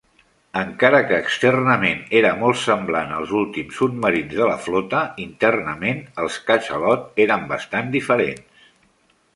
Encara que externament era molt semblant als últims "submarins de la flota", internament els "Catxalot" eren bastant diferents.